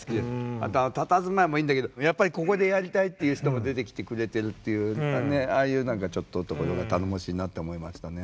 あとあのたたずまいもいいんだけどやっぱりここでやりたいっていう人も出てきてくれてるっていうああいうちょっとところが頼もしいなって思いましたね。